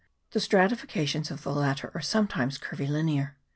The stratifications of the latter are sometimes curvi linear.